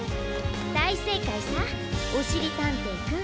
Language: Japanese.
だいせいかいさおしりたんていくん。